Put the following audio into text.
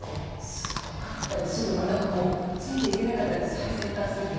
すごかったです、ついていけなかったです、最先端すぎて。